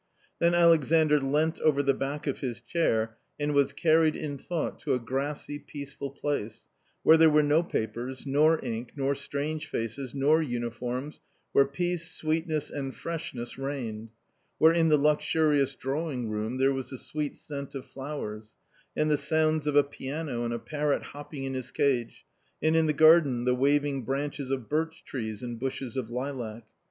Then Alexandr leant over the back of his chair and was carried in thought to a grassy peaceful place, where there were no papers, nor ink, nor strange faces, nor uniforms, where peace, sweetness, and freshness reigned, where in the luxurious drawing room there was the sweet scent of flowers, and the sounds of a piano and a parrot hopping in his cage, and in the garden the waving branches of birch trees and bushes of lilac.